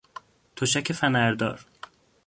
تشک فنردار